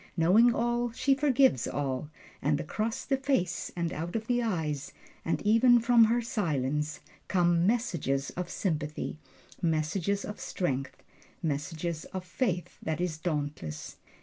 Knowing all, she forgives all. And across the face and out of the eyes, and even from her silence, come messages of sympathy messages of strength, messages of a faith that is dauntless.